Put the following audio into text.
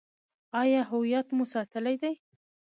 آیا هویت مو ساتلی دی؟